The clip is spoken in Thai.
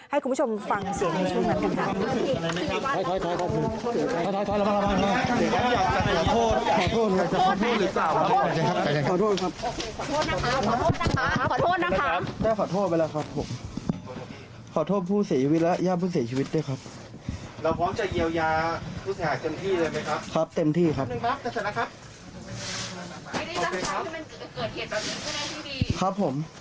ให้คุณผู้ชมฟังเสียงช่วงหน่อยครับ